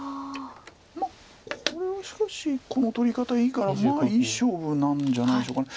これはしかしこの取り方いいからまあいい勝負なんじゃないでしょうか。